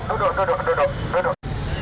duduk duduk duduk